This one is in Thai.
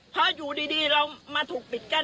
เพราะอยู่ดีเรามาถูกปิดกั้น